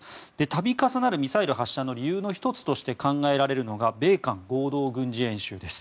度重なるミサイル発射の理由の１つとして考えられるのが米韓合同軍事演習です。